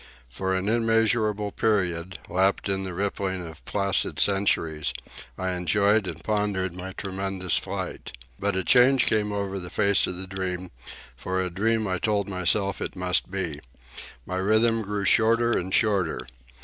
For an immeasurable period, lapped in the rippling of placid centuries, I enjoyed and pondered my tremendous flight. But a change came over the face of the dream, for a dream I told myself it must be. My rhythm grew shorter and shorter.